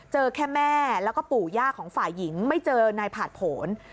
เจอแค่แม่แล้วก็ปู่ย่าของฝ่ายหญิงไม่เจอนายผ่านผล